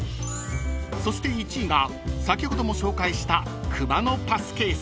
［そして１位が先ほども紹介した熊のパスケース］